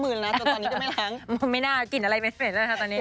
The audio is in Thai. มึงไม่น่ากลิ่นอะไรเม็ดแล้วครับตอนนี้